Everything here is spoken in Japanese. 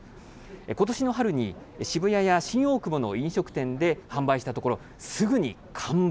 ことしの春に、渋谷や新大久保の飲食店で販売したところ、すぐに完売。